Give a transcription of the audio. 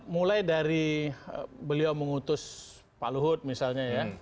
mulai dari beliau mengutus pak luhut misalnya ya